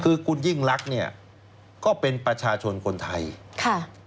คือคุณยิ่งรักเนี่ยก็เป็นประชาชนคนไทยค่ะ